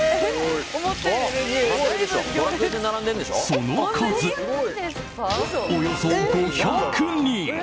その数、およそ５００人。